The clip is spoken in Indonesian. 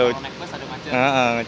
kalau naik bus ada macam